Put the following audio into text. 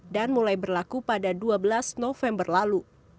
dan mulai berlaku pada dua belas november lalu